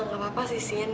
gapapa sih sian